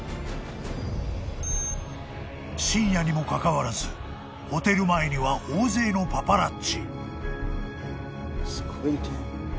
［深夜にもかかわらずホテル前には大勢のパパラッチ］